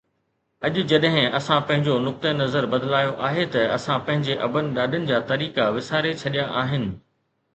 اڄ جڏهن اسان پنهنجو نقطه نظر بدلايو آهي ته اسان پنهنجي ابن ڏاڏن جا طريقا وساري ڇڏيا آهن